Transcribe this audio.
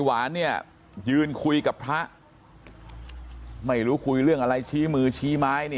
หวานเนี่ยยืนคุยกับพระไม่รู้คุยเรื่องอะไรชี้มือชี้ไม้นี่